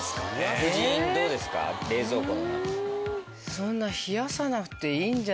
そんな冷やさなくていいんじゃ。